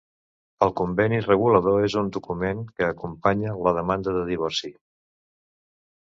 El conveni regulador és un document que acompanya la demanda de divorci.